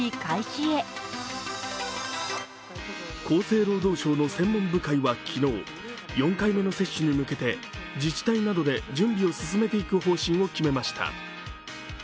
厚生労働省の専門部会は昨日、４回目の接種に向けて自治体などで準備を進めていく方針を決めました。